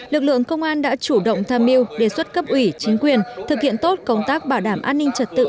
lực lượng công an đã chủ động tham mưu đề xuất cấp ủy chính quyền thực hiện tốt công tác bảo đảm an ninh trật tự